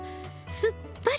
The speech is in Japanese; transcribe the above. すっきり。